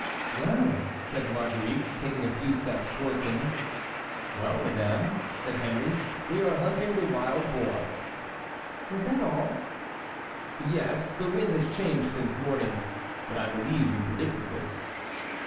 "Well!" said Marguerite, taking a few steps towards him. "Well, madame," said Henry, "we are hunting the wild boar." "Is that all?" "Yes, the wind has changed since morning; but I believe you predicted this."